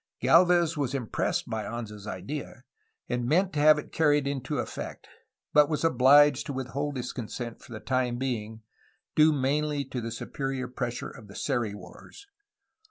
Galvez was impressed by Anza's idea, and meant to have it carried into effect, but was obliged to with hold his consent for the time being, due mainly to the superior pressure of the Seri wars.